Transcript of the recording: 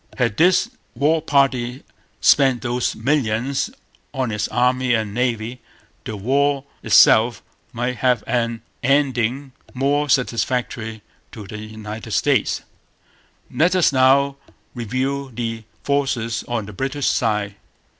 Had this 'war party' spent those millions on its Army and Navy, the war itself might have had an ending more satisfactory to the United States. Let us now review the forces on the British side.